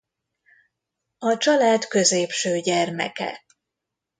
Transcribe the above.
A család középső gyermeke.